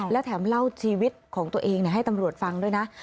และแถมเล่าชีวิตของตัวเองให้ตำรวจฟังด้วยนะ